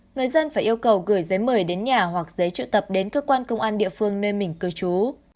người dân phải yêu cầu gửi giấy mời đến nhà hoặc giấy triệu tập đến cơ quan công an địa phương nơi mình cư trú